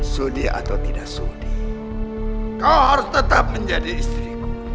sudi atau tidak sudi kau harus tetap menjadi istrimu